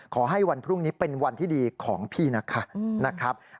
ขอให้วันพรุ่งนี้เป็นวันที่ดีของพี่นะคะ